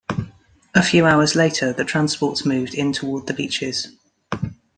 A few hours later, the transports moved in toward the beaches.